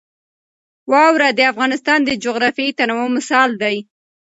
واوره د افغانستان د جغرافیوي تنوع مثال دی.